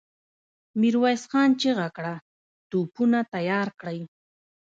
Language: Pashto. ميرويس خان چيغه کړه! توپونه تيار کړئ!